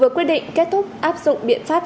vừa quyết định kết thúc áp dụng biện pháp